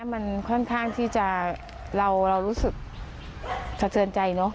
มันค่อนข้างที่จะเรารู้สึกสะเทือนใจเนอะ